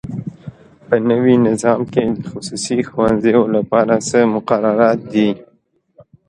په نوي نظام کي د خصوصي ښوونځیو لپاره څه مقررات دي؟